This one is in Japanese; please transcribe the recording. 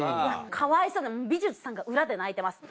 かわいそう美術さんが裏で泣いてます。